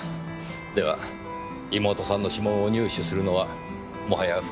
では妹さんの指紋を入手するのはもはや不可能でしょうかね？